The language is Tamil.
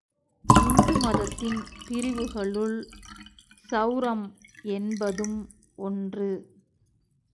இந்து மதத்தின் பிரிவுகளுள் செளரம் என்பதும் ஒன்று.